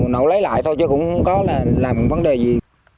nó lấy lại thôi chứ cũng có làm vấn đề gì